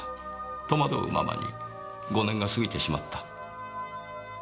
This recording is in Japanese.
戸惑うままに５年が過ぎてしまった。